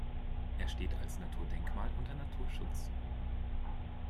Er steht als Naturdenkmal unter Naturschutz.